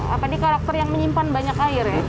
apa nih karakter yang menyimpan banyak air ya